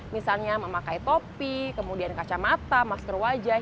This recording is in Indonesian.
misalnya memakai topi kemudian kacamata masker wajah